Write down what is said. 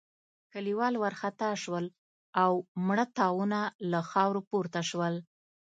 کليوال وارخطا شول او مړه تاوونه له خاورو پورته شول.